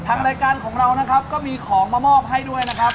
ทางรายการของเรานะครับก็มีของมามอบให้ด้วยนะครับ